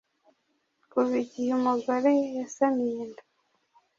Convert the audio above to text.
kuva igihe umugore yasamiye inda